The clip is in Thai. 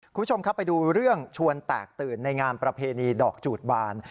คุณผู้ชมครับไปดูเรื่องชวนแตกตื่นในงานประเพณีดอกจูดบาน